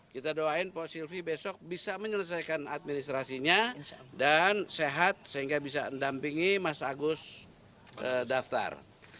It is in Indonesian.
kita doain pak silvi besok bisa menyelesaikan administrasinya dan sehat sehingga bisa mendampingi mas agus daftar